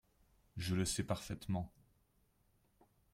je le sais parfaitement.